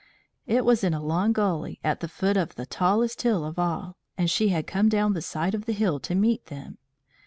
It was in a long gully at the foot of the tallest hill of all, and she had come down the side of the hill to meet them.